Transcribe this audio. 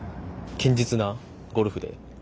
堅実なゴルフで。